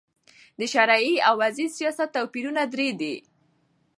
د شرعې او وضي سیاست توپیرونه درې دي.